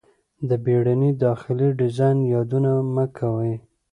د بیړني داخلي ډیزاین یادونه مه کوئ